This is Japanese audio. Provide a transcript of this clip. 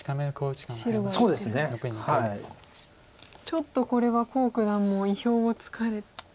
ちょっとこれは黄九段も意表をつかれましたね。